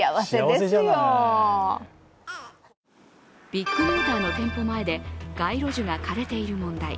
ビッグモーターの店舗前で街路樹が枯れている問題。